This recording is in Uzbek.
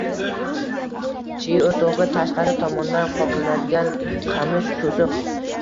Chiy o`tovga tashqari tomondan qoplanadigan qamish to`siq